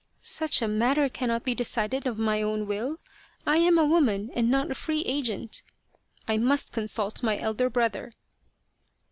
" Such a matter cannot be decided of my own will. I am a woman and not a free agent. I must consult my elder brother."